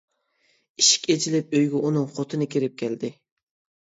ئىشىك ئېچىلىپ ئۆيگە ئۇنىڭ خوتۇنى كىرىپ كەلدى.